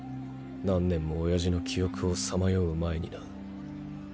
何年も親父の記憶を彷徨う前にな。